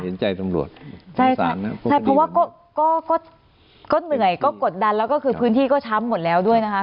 เพราะว่าก็เหนื่อยก็กดดันแล้วก็คือพื้นที่ก็ช้ำหมดแล้วด้วยนะคะ